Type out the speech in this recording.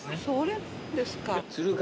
それですか。